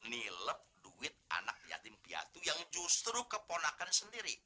nilep duit anak yatim piatu yang justru keponakan sendiri